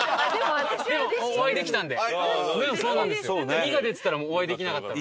「２」が出てたらお会いできなかったので。